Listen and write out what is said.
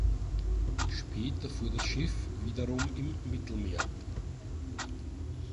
Später fuhr das Schiff wiederum im Mittelmeer.